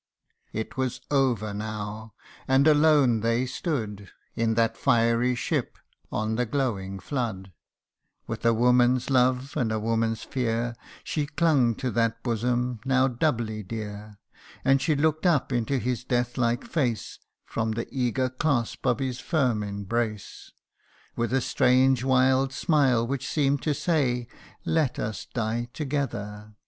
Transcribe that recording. " It was over now ! and alone they stood In that fiery ship, on the glowing flood ; With a woman's love, and a woman's fear, She clung to that bosom, now doubly dear ; And she look'd up into his death like face, From the eager clasp of his firm embrace, With a strange wild smile, which seem'd to say, " Let us die together."